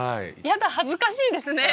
やだ恥ずかしいですね。